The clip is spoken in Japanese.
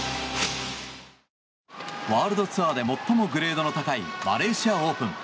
ワールドツアーで最もグレードの高いマレーシアオープン。